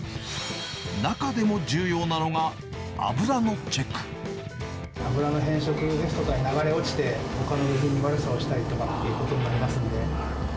中でも重要なのが、油の変色ですとか、流れ落ちて、ほかの部分に悪さをするということになりますので。